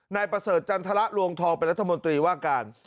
นายประเสริฐจันทรลวงทองเป็นรัฐมนตรีว่าการ